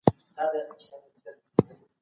د پولو ساتنه یوازي د سرتېرو دنده نه ده.